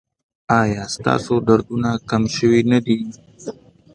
ایا ستاسو دردونه کم شوي نه دي؟